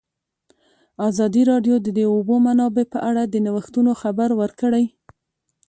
ازادي راډیو د د اوبو منابع په اړه د نوښتونو خبر ورکړی.